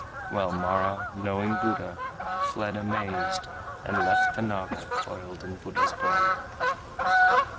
While Mara, knowing Buddha, fled amazed And left the Naga coiled in Buddha's bowl.